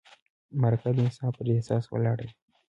مرکه د انسان پر احساس ولاړه وي.